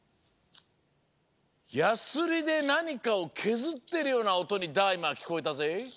やすりでなにかをけずってるようなおとにＤＡ−ＩＭＡはきこえたぜ。